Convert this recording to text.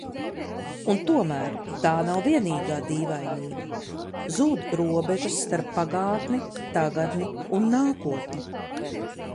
Un tomēr – tā nav vienīgā dīvainība. Zūd robežas starp pagātni, tagadni un nākotni.